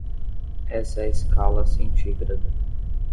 Essa é a escala centigrada.